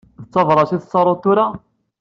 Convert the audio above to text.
D tabrat i tettaruḍ tura?